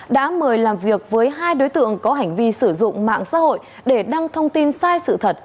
đã mời làm việc với hai đối tượng có hành vi sử dụng mạng xã hội để đăng thông tin sai sự thật